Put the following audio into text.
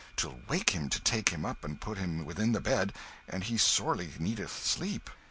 'twill wake him to take him up and put him within the bed, and he sorely needeth sleep."